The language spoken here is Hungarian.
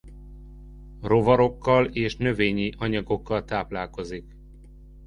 Rovarokkal és növényi anyagokkal táplálkozik.